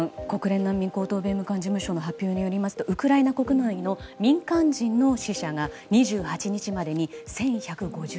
国連難民高等弁務官事務所の発表によりますとウクライナ国内の民間人の死者が２８日までに１１５１人。